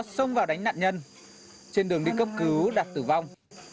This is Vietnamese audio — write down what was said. xông vào đánh nạn nhân trên đường đi cấp cứu đạt tử vong